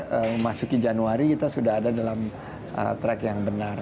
memasuki januari kita sudah ada dalam track yang benar